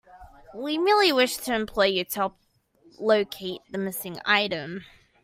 We merely wish to employ you to help locate a missing item.